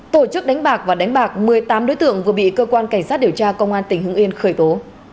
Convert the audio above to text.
tổ chức đánh bạc và đánh bạc một mươi tám đối tượng vừa bị cơ quan cảnh sát điều tra công an tỉnh hưng yên khởi tố